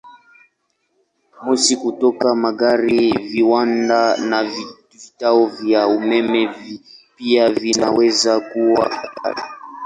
Moshi kutoka magari, viwanda, na vituo vya umeme pia vinaweza kuwa hatari.